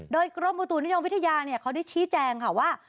โดยกรมอุตุนิยมวิทยาเขาได้ชี้แจงค่ะว่า